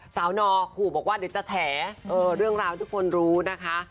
นอขู่บอกว่าเดี๋ยวจะแฉเรื่องราวที่ทุกคนรู้นะคะ